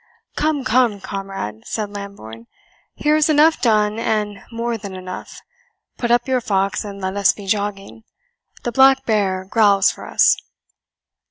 "Come, come, comrade;" said Lambourne, "here is enough done and more than enough; put up your fox and let us be jogging. The Black Bear growls for us."